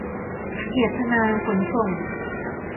เกียรติธนา ขนส่ง